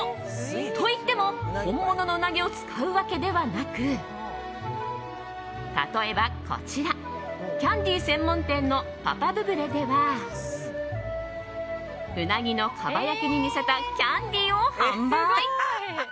といっても、本物のうなぎを使うわけではなく例えばこちらキャンディー専門店のパパブブレではうなぎのかば焼きに似せたキャンディーを販売。